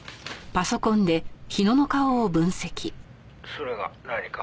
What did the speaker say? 「それが何か？」